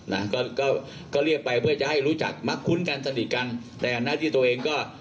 นะก็ก็ก็เรียกไปเพื่อจะให้รู้จักมักคุ้นกันสนิทกันแต่หน้าที่ตัวเองก็